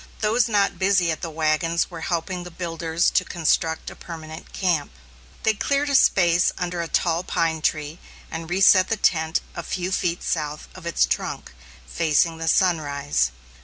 Those not busy at the wagons were helping the builders to construct a permanent camp. They cleared a space under a tall pine tree and reset the tent a few feet south of its trunk, facing the sunrise.